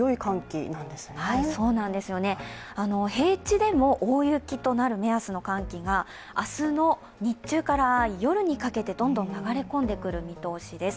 そうなんですよね、平地でも大雪となる目安の寒気が明日の日中から夜にかけてどんどん流れ込んでくる見通しです。